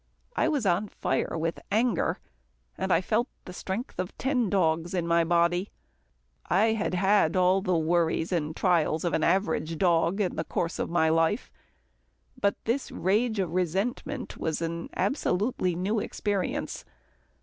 I was on fire with anger, and I felt the strength of ten dogs in my body. I had had all the worries and trials of an average dog in the course of my life, but this rage of resentment was an absolutely new experience.